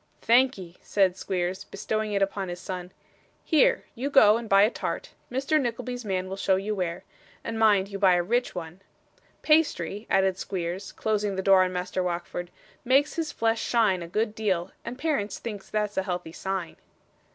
'Thankee,' said Squeers, bestowing it upon his son. 'Here! You go and buy a tart Mr. Nickleby's man will show you where and mind you buy a rich one. Pastry,' added Squeers, closing the door on Master Wackford, 'makes his flesh shine a good deal, and parents thinks that a healthy sign.